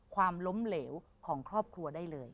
ความล้มเหลวของครอบครัวได้เลย